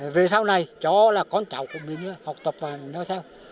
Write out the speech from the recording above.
về sau này cháu là con cháu của mình học tập và nói theo